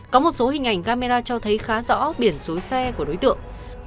có một số hình ảnh camera cho thấy khá rõ biển số xe của đối tượng